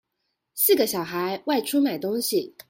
四個小孩外出買東西